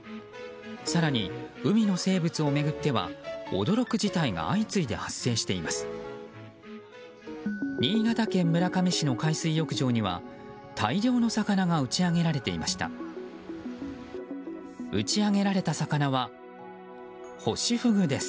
更に、海の生物を巡っては驚く事態が相次いで発生しています。